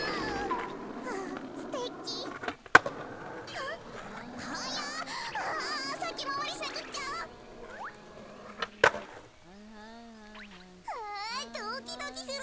あドキドキする！